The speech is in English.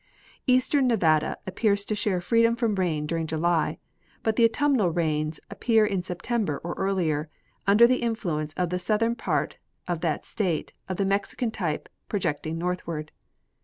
Eastern Nevada appears to share freedom from rain during July, but the autumnal rains appear in September or earlier, under the influence in the southern part of that state of the Mexican type projecting northward.